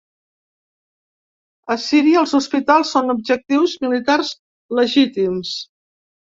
A Síria els hospitals són objectius militars ‘legítims’.